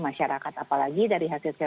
masyarakat apalagi dari hasil